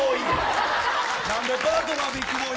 パートナー、ビックボーイ。